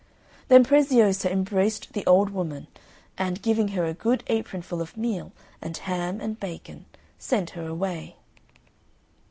Then Preziosa embraced the old woman, and, giving her a good apronful of meal, and ham and bacon, sent her away.